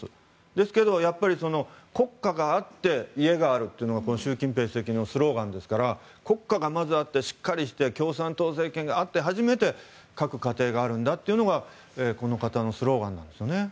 ですけど、国家があって家があるというのがこの習近平政権のスローガンですから国家がまずあって、しっかりして共産党政権があって初めて各家庭があるんだというのがこの方のスローガンなんですね。